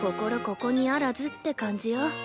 ここにあらずって感じよ。